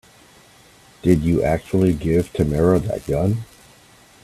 Did you actually give Tamara that gun?